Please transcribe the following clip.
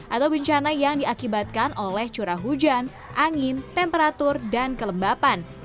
atau bencana yang diakibatkan oleh curah hujan angin temperatur dan kelembapan